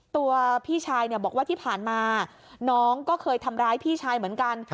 ตัวพี่ชายบอกว่าที่ผ่านมาน้องก็เคยทำร้ายพี่ชายเหมือนกัน